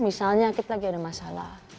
misalnya kita lagi ada masalah